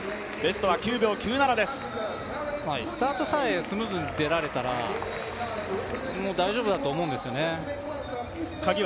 スタートさえスムーズに出られたら大丈夫だと思うんですよね。